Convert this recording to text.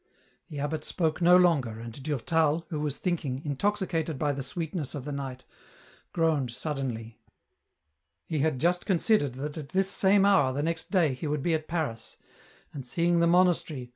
The abbot spoke no longer, and Durtal, who was thinking, intoxicated by the sweetness of the night, groaned suddenly. He had just considered that at this same hour the next day he would be at Paris, and seeing the monastery, EN ROUTE.